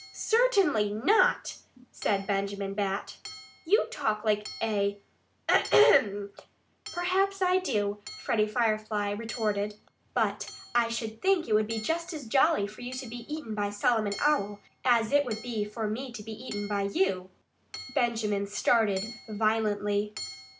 "Certainly not!" said Benjamin Bat. "You talk like a AHEM!" "Perhaps I do," Freddie Firefly retorted. "But I should think it would be just as jolly for you to be eaten by Solomon Owl as it would be for me to be eaten by you." Benjamin started violently.